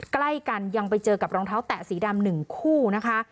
ใกล้กันยังไปเจอกับรองเท้าแตะสีดำ๑คู่นะคะ